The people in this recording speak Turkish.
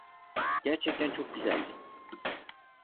Gerçekten çok güzeldi.